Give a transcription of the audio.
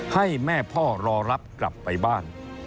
ให้แม่พ่อรอรับกลับไปบ้าน